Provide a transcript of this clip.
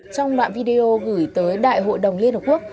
trong đoạn video gửi tới đại hội đồng liên hợp quốc